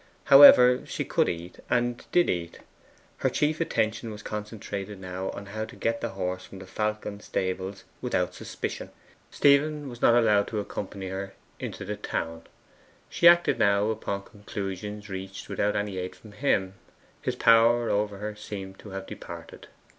However, she could eat, and did eat. Her chief attention was concentrated upon how to get the horse from the Falcon stables without suspicion. Stephen was not allowed to accompany her into the town. She acted now upon conclusions reached without any aid from him: his power over her seemed to have departed.